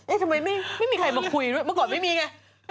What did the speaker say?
ทำไมไม่มีใครมาคุยด้วยเมื่อก่อนไม่มีไง